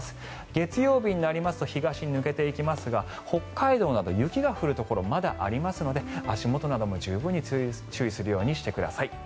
月曜日になりますと東に抜けていきますが北海道など雪が降るところまだありますので足元なども十分に注意するようにしてください。